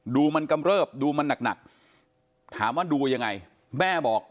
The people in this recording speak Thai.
ดูมันกำเริบดูมันหนักถามว่าดูยังไงแม่บอก